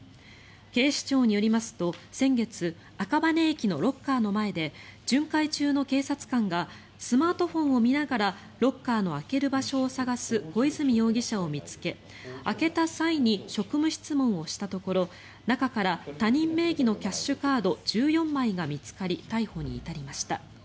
警視庁によりますと、先月赤羽駅のロッカーの前で巡回中の警察官がスマートフォンを見ながらロッカーの開ける場所を探す小出水容疑者を見つけ開けた際に職務質問をしたところ中から他人名義のキャッシュカード１４枚が見つかり逮捕に至りました。